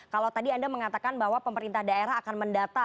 kalau tadi anda mengatakan bahwa pemerintah daerah akan mendata